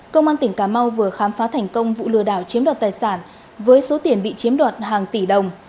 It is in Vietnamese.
công an tỉnh cà mau vừa khám phá thành công vụ lừa đảo chiếm đoạt tài sản với số tiền bị chiếm đoạt hàng tỷ đồng